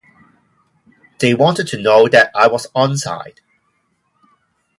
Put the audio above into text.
They wanted to know that I was on-side.